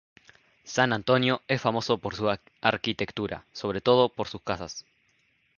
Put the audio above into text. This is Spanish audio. San Antonio es famoso por su arquitectura, sobre todo por sus casas.